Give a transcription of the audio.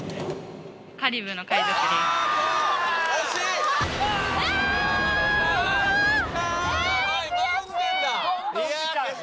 カリブの海賊です。